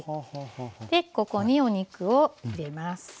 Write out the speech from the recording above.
でここにお肉を入れます。